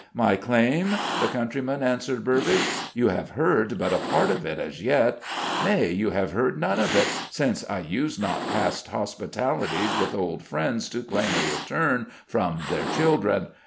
"My claim?" the countryman answered Burbage. "You have heard but a part of it as yet. Nay, you have heard none of it, since I use not past hospitalities with old friends to claim a return from their children.